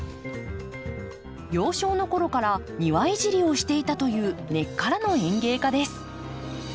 幼少の頃から庭いじりをしていたという根っからの園芸家です。